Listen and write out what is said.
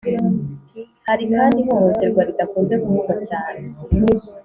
Hari kandi ihohoterwa ridakunze kuvugwa cyane